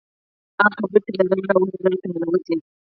هغه خبرې چې له زړه راوځي زړه ته ننوځي.